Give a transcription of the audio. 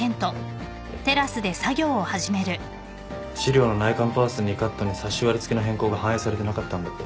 資料の内観パース２カットにサッシ割り付けの変更が反映されてなかったんだって。